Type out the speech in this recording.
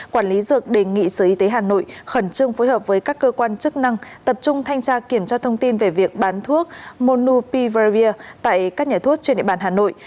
quản lý dược đề nghị sở y tế hà nội khẩn trương phối hợp với các cơ quan chức năng tập trung thanh tra kiểm tra thông tin về việc bán thuốc monu pivervir tại các nhà thuốc trên địa bàn hà nội